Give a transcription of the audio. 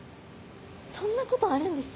そんなことあるんです？